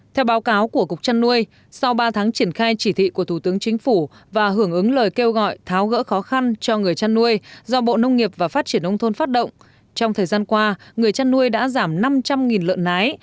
theo báo cáo của cục trăn nuôi sau ba tháng triển khai chỉ thị của thủ tướng chính phủ và hưởng ứng lời kêu gọi tháo gỡ khó khăn cho người chăn nuôi do bộ nông nghiệp và phát triển nông thôn phát động trong thời gian qua người chăn nuôi đã giảm năm trăm linh lợn nái